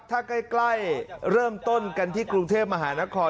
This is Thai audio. ถ้าใกล้เริ่มต้นกันที่กรุงเทพมหานคร